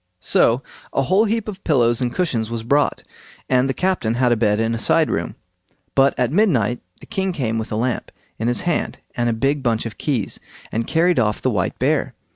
So a whole heap of pillows and cushions was brought, and the captain had a bed in a side room. But at midnight the king came with a lamp in his hand and a big bunch of keys, and carried off the white bear.